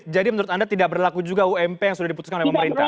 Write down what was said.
jadi menurut anda tidak berlaku juga ump yang sudah diputuskan oleh pemerintah